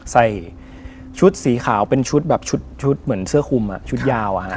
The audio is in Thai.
ใส่ชุดสีขาวเป็นชุดแบบชุดเหมือนเสื้อคุมชุดยาว